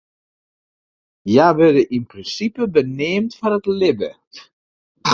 Hja wurde yn prinsipe beneamd foar it libben.